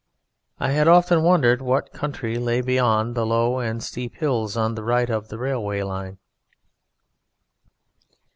I had often wondered what country lay behind the low and steep hills on the right of the railway line.